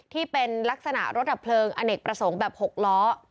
ที่เป็นลักษณะรถดับเพลิงอเนกประสงค์แบบ๖ล้อ